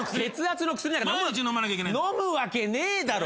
飲むわけねえだろ。